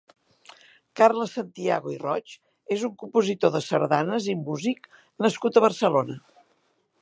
Carles Santiago i Roig és un compositor de sardanes i músic nascut a Barcelona.